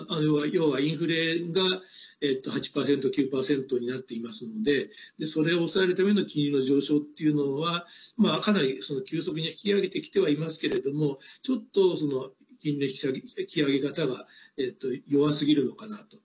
要はインフレが８％９％になっていますのでそれを抑えるための金利の上昇っていうのはかなり急速に引き上げてきてはいますけれどもちょっと金利の引き上げ方が弱すぎるのかなと。